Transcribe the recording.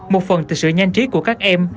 một phần từ sự nhanh trí của các em